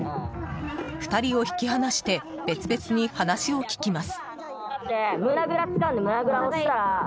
２人を引き離して別々に話を聞きます。